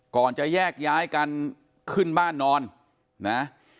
ก่อนจะแยกย้ายกันขึ้นบ้านนอนนะ